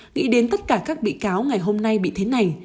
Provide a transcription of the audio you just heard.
nghĩ đến tất cả các bị cáo ngày hôm nay bị thế này